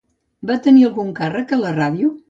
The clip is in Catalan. Va tenir algun càrrec a la ràdio?